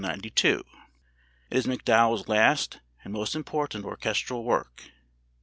It is MacDowell's last and most important orchestral work.